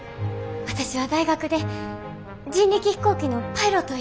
私は大学で人力飛行機のパイロットをやりました。